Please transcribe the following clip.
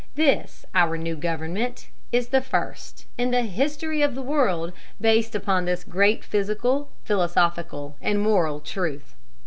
This, our new government, is the first, in the history of the world, based upon this great physical, philosophical, and moral truth."